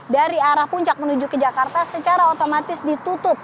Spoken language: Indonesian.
dari arah puncak menuju ke jakarta secara otomatis ditutup